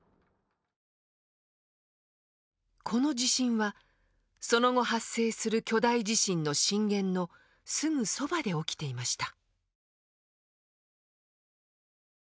この地震はその後発生する巨大地震の震源のすぐそばで起きていました。